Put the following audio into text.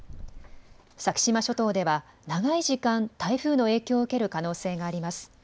先島諸島では長い時間、台風の影響を受ける可能性があります。